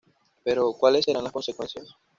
Pero ¿cuáles serán las consecuencias?